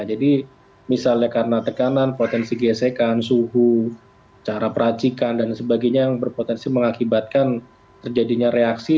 jadi misalnya karena tekanan potensi gesekan suhu cara peracikan dan sebagainya yang berpotensi mengakibatkan terjadinya reaksi